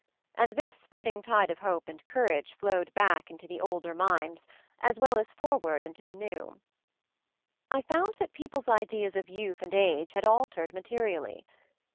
And this spreading tide of hope and courage flowed back into the older minds, as well as forward into the new I found that peopled ideas of youth and age had altered materially.